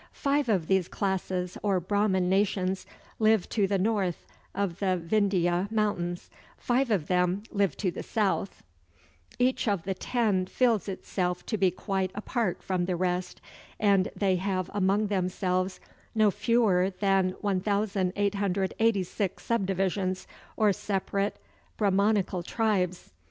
Five of these classes or Brahman nations live to the north of the Vindhya mountains; five of them live to the south. Each of the ten feels itself to be quite apart from the rest; and they have among themselves no fewer than 1886 subdivisions or separate Brahmanical tribes.